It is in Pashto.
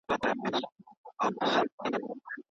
کورنۍ يو مهم ټولنيز واحد دی.